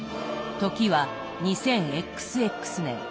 時は２０ＸＸ年。